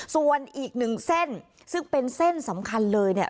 ส่วนอีกหนึ่งเส้นซึ่งเป็นเส้นสำคัญเลยเนี่ย